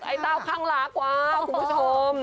ไอ้เต้าข้างรักว้าวคุณผู้ชม